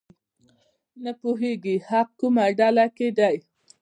نه پوهېږي حق کومه ډله کې دی.